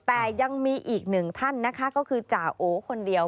แต่ยังมีอีกหนึ่งท่านนะคะก็คือจ่าโอคนเดียว